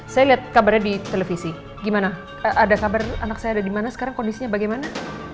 saya lihat kabarnya di televisi gimana ada kabar anak saya ada di mana sekarang kondisinya bagaimana